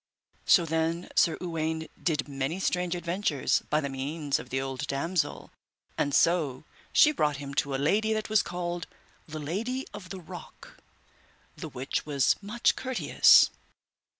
So then Sir Uwaine did many strange adventures by the means of the old damosel, and so she brought him to a lady that was called the Lady of the Rock, the which was much courteous.